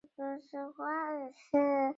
家臣们继续向纲村提出隐居的要求。